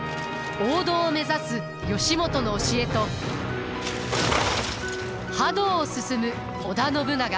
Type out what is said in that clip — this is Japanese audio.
王道を目指す義元の教えと覇道を進む織田信長。